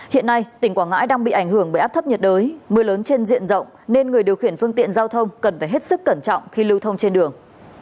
hiện nay tỉnh quảng ngãi đang bị ảnh hưởng bởi áp thấp nhiệt đới mưa lớn trên diện rộng nên người điều khiển phương tiện giao thông cần phải hết sức cẩn trọng khi lưu thông trên đường